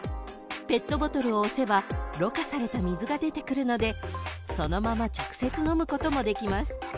ペットボトルを押せばろ過された水が出てくるのでそのまま直接飲むこともできます］